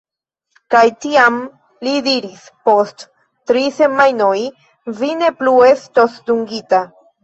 Kaj tiam li diris "Post tri semajnoj, vi ne plu estos dungita."